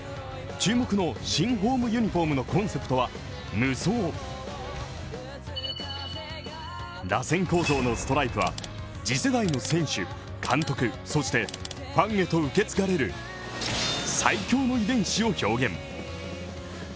注目の新ホームユニフォームのコンセプトは無双らせん構造のストライプは、次世代の選手、監督そしてファンへと受け継がれる最強の遺伝子を表現。